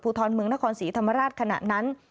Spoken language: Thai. ทรเมืองนครศรีธรรมราชขณะนั้น